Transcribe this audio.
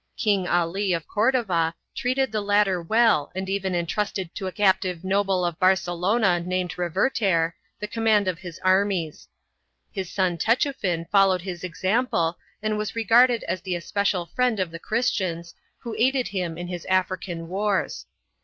King Ali of Cordova treated the latter well and even entrusted to a captive noble of Barcelona named Reverter the command of his armies. His son Techufin followed his example and was regarded as the especial friend of the Christians, who aided him in his African wars.